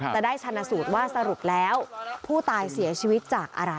จะได้ชนะสูตรว่าสรุปแล้วผู้ตายเสียชีวิตจากอะไร